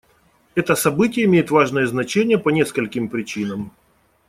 Это событие имеет важное значение по нескольким причинам.